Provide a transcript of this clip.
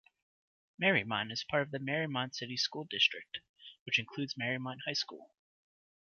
Mariemont is part of the Mariemont City School District, which includes Mariemont High School.